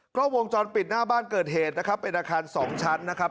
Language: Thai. กล้องวงจรปิดหน้าบ้านเกิดเหตุนะครับเป็นอาคารสองชั้นนะครับ